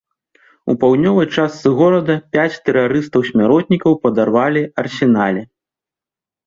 У паўднёвай частцы горада пяць тэрарыстаў-смяротнікаў падарвалі арсенале.